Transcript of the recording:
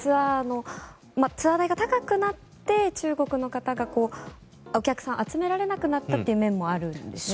ツアー代が高くなって中国の方が、お客さん集められなくなったという面もあるんですね。